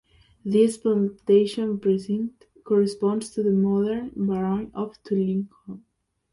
This plantation precinct corresponds to the modern barony of Tullyhunco.